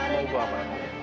mau buah apa